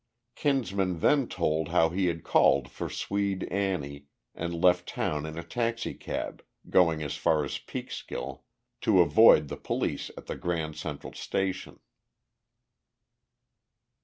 Kinsman then told how he had called for Swede Annie, and left town in a taxicab, going as far as Peekskill, to avoid the police at the Grand Central Station.